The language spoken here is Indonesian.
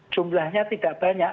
jumlahnya tidak banyak